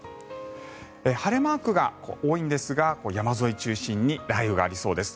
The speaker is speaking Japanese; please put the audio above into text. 晴れマークが多いんですが山沿いを中心に雷雨がありそうです。